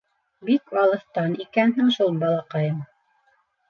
Бик алыҫтан икәнһең шул, балаҡайым.